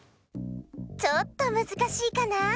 ちょっとむずかしいかな？